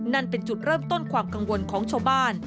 นั่นเป็นจุดเริ่มต้นความกังวลของชาวบ้าน